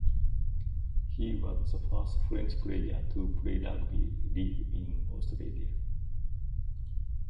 He was the first French player to play rugby league in Australia.